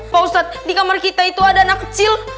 pak ustadz di kamar kita itu ada anak kecil